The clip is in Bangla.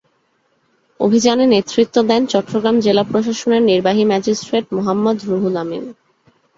অভিযানে নেতৃত্ব দেন চট্টগ্রাম জেলা প্রশাসনের নির্বাহী ম্যাজিস্ট্রেট মোহাম্মাদ রুহুল আমীন।